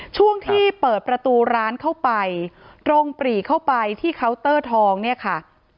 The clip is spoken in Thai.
ช่วงที่เปิดประตูร้านเข้าไปตรงปรีเข้าไปที่เคาน์เตอร์ทองเนี่ยค่ะ